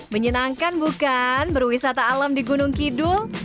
menyenangkan bukan berwisata alam di gunung kidul